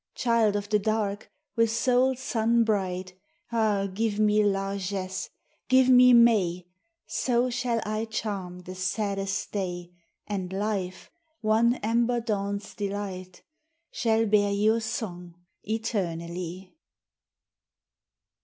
Child of the Dark, with soul sun bright, Ah, give me largesse, give me May, So shall I charm the saddest day, And life one amber dawn's delight Shall bear your song eternally.